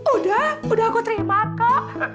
udah udah aku terima kak